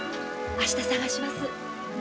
明日探します。